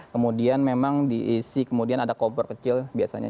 kemudian memang diisi kemudian ada kompor kecil biasanya